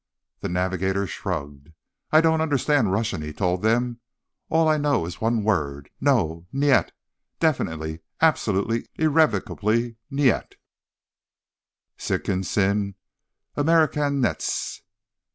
The navigator shrugged. "I don't understand Russian," he told them. "All I know is one word. No. Nyet Definitely, absolutely irrevocably nyet." "_Sikin sin Amerikanyets!